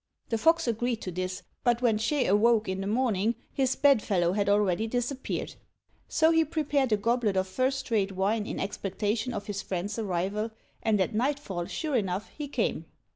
The fox agreed to this, but when Ch'ê awoke in the morning his bedfellow had already disappeared. So he prepared a goblet of first rate wine in expectation of his friend's arrival, and at nightfall sure enough he came.